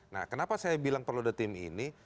nah kenapa saya bilang perlu ada tim ini